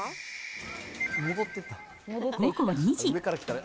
午後２時。